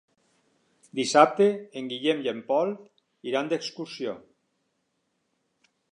Dissabte en Guillem i en Pol iran d'excursió.